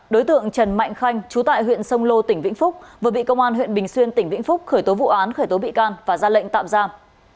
đối tượng trần mạnh khanh chú tại huyện sông lô tỉnh vĩnh phúc vừa bị công an huyện bình xuyên tỉnh vĩnh phúc khởi tố vụ án khởi tố bị can và ra lệnh tạm giam